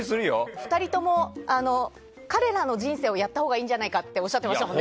２人とも、彼らの人生をやったほうがいいんじゃないかっておっしゃっていましたもんね。